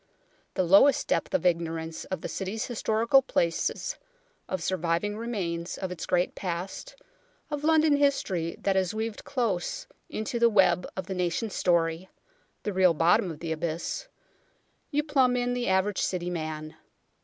The lowest depth of ignorance of the City's historical places, of surviving remains of its great past, of London history that is weaved close into the web of the nation's story the real bottom of the abyss you plumb in the average City man.